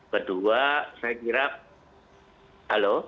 kedua saya kira halo